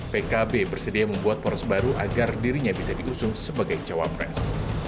pkb bersedia membuat poros baru agar dirinya bisa diusung sebagai cawapres